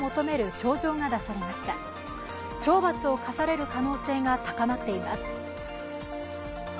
懲罰が科される可能性が高まっています。